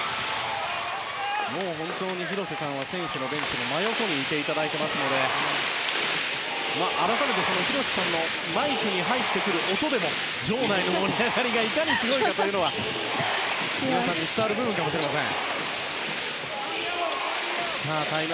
もう本当に広瀬さんは選手ベンチの真横にいていただいていますので改めて、広瀬さんのマイクに入ってくる音でも場内の盛り上がりがいかにすごいかも皆さんに伝わる部分かもしれません。